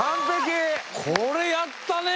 これやったね・